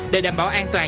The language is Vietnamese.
để đảm bảo an toàn